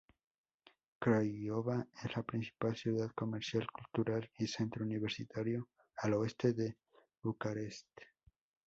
Craiova es la principal ciudad comercial, cultural y centro universitario al oeste de Bucarest.